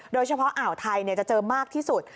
โดยเฉพาะอ่าวไทยจะเจอมากที่สุด